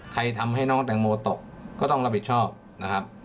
ทำให้น้องแตงโมตกก็ต้องรับผิดชอบนะครับ